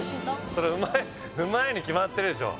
これうまいうまいに決まってるでしょう